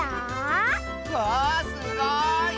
わあすごい！